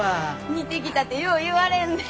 似てきたてよう言われんねん。